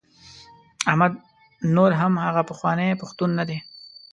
احمد نور هغه پخوانی پښتون نه دی.